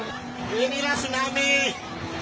inilah tsunami inilah tsunami ya allah